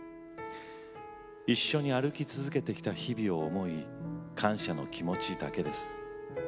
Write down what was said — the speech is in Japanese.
一緒に歩き続けてきた日々を思い感謝の気持ちだけです。